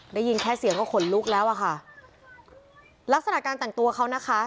ได้ยินแค่เสียงก็ขนลุกแล้วอ่ะค่ะลักษณะการแต่งตัวเขานะคะ